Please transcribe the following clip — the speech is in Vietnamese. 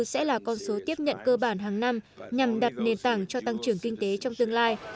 sẽ là con số tiếp nhận cơ bản hàng năm nhằm đặt nền tảng cho tăng trưởng kinh tế trong tương lai